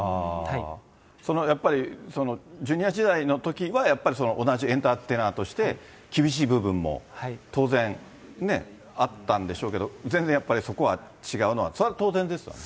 やっぱりその、ジュニア時代のときは、やっぱりその同じエンターテイナーとして、厳しい部分も当然ね、あったんでしょうけど、全然やっぱりそこは違うのはそれは当然ですわね。